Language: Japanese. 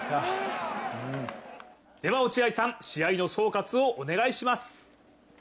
では落合さん、試合の総括をお願いします。